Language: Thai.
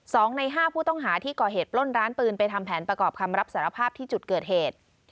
สองในห้าผู้ต้องหาที่ก่อเหตุปล้นร้านปืนไปทำแผนประกอบคำรับสารภาพที่จุดเกิดเหตุ